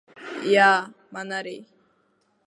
Jā, man arī.